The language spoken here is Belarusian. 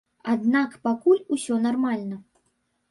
Аднак пакуль усё нармальна.